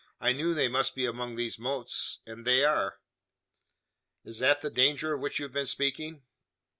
"I knew they must be among those mottes; and they are!" "Is that the danger of which you have been speaking?"